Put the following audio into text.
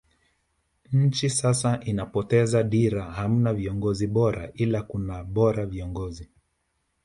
Nchi sasa inapoteza dira hamna viongozi bora ila kuna bora viongozi